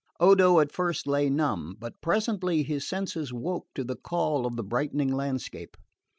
Odo at first lay numb; but presently his senses woke to the call of the brightening landscape.